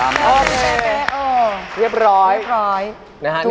ตามมาเลยนะครับโอเคเรียบร้อยทุกท่านเรียบร้อย